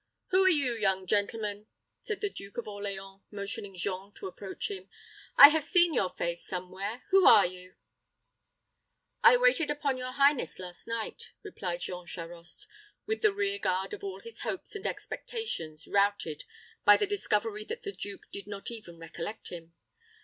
"Who are you, young gentleman?" said the Duke of Orleans, motioning Jean to approach him. "I have seen your face somewhere who are you?" "I waited upon your highness last night," replied Jean Charost, with the rear guard of all his hopes and expectations routed by the discovery that the duke did not even recollect him.